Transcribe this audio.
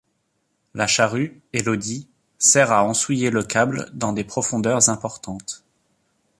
La charrue, Elodie, sert à ensouiller le câble dans des profondeurs importantes.